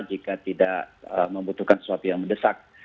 jika tidak membutuhkan sesuatu yang mendesak